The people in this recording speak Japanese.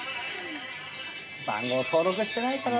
番号登録してないかな。